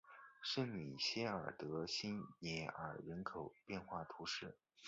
圣米歇尔德巴涅尔人口变化图示